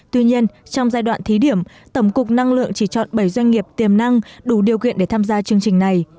tuy nhiên trong giai đoạn thí điểm tổng cục năng lượng chỉ chọn bảy doanh nghiệp tiềm năng đủ điều kiện để tham gia chương trình này